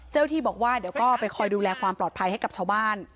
ที่บอกว่าเดี๋ยวก็ไปคอยดูแลความปลอดภัยให้กับชาวบ้าน